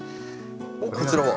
おっこちらは？